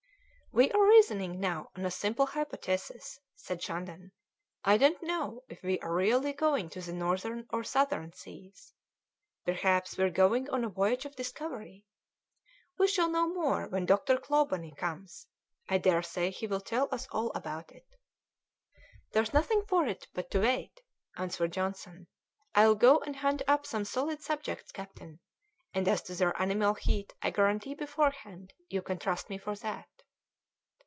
"We are reasoning now on a simple hypothesis," said Shandon. "I don't know if we are really going to the Northern or Southern Seas. Perhaps we are going on a voyage of discovery. We shall know more when Dr. Clawbonny comes; I daresay he will tell us all about it." "There's nothing for it but to wait," answered Johnson; "I'll go and hunt up some solid subjects, captain; and as to their animal heat, I guarantee beforehand you can trust me for that."